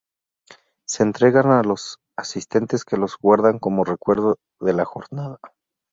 Se entregan a los asistentes que los guardan como recuerdo de la jornada.